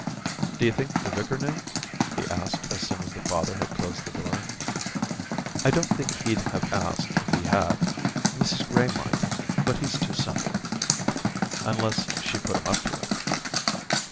* D 'you think the vicar knew ?' he asked as soon as the father had closed the door. 5j i 6 Orientations * I don't think he'd have asked if he had. Mrs Gray might, but he's too simple — unless she put him up to it.'